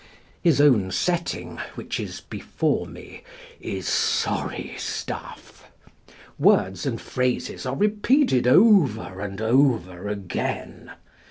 His own setting, which is before me, is sorry stuff. Words and phrases are repeated over and over again.